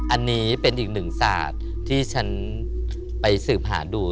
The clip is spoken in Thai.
อันนี้เป็นอีกหนึ่งศาสตร์ที่ฉันไปสืบหาดู